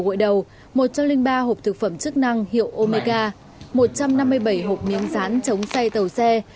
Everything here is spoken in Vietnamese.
gụi đầu một trăm linh ba hộp thực phẩm chức năng hiệu omega một trăm năm mươi bảy hộp miếng rán chống say tàu xe